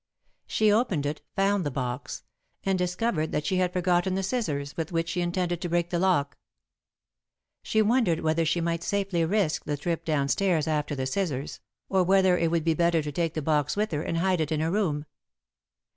She opened it, found the box, and discovered that she had forgotten the scissors with which she intended to break the lock. She wondered whether she might safely risk the trip down stairs after the scissors, or whether it would be better to take the box with her and hide it in her room.